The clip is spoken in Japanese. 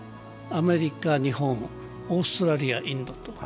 アメリカ、日本、オーストラリア、インドと。